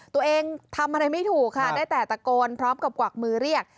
ตัวเองทำอะไรไม่ถูกค่ะได้แต่ตะโกนพร้อมกับกวักมือเรียก